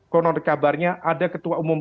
konon kabarnya ada ketua umum